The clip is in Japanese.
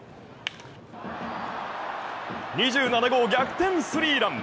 ２７号逆転スリーラン！